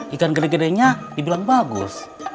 ikan gede gedenya dibilang bagus